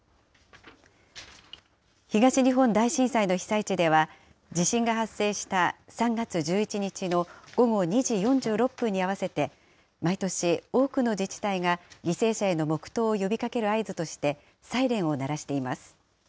東日本大震災の被災地では、地震が発生した３月１１日の午後２時４６分に合わせて、毎年、多くの自治体が犠牲者への黙とうを呼びかける合図として、サイレンを鳴らしています。